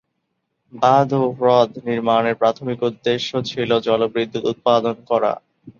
বাঁধ ও হ্রদটি নির্মাণের প্রাথমিক উদ্দেশ্য ছিল জলবিদ্যুৎ উৎপাদন করা।